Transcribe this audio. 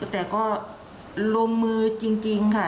แต่ก็ลงมือจริงค่ะ